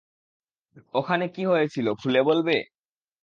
ওখানে কী হয়েছিল খুলে বলবে?